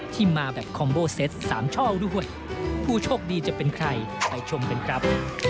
ที่มาแบบคอมโบเซตสามช่องด้วยผู้โชคดีจะเป็นใครไปชมกันครับ